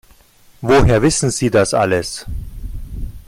Woher wissen Sie das alles?